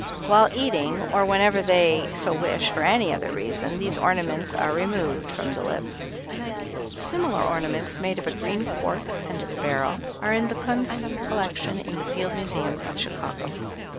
While eating, or whenever they so wish for any other reason, these ornaments are removed from the lips." Similar ornaments, made of a green quartz and of beryl, are in the Kunz collection in the Field Museum of Chicago.